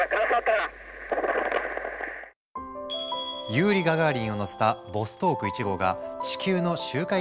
ユーリイ・ガガーリンを乗せたボストーク１号が地球の周回軌道を一周。